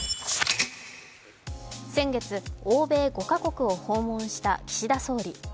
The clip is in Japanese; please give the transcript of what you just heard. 先月、欧米５か国を訪問した岸田総理。